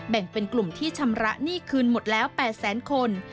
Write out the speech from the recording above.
แบ่งเป็นกลุ่มที่ชำระหนี้คืนหมดแล้ว๘แสนคน